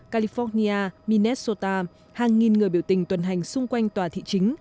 california minetsota hàng nghìn người biểu tình tuần hành xung quanh tòa thị chính